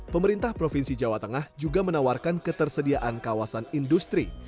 pemerintah provinsi jawa tengah juga menawarkan ketersediaan kawasan industri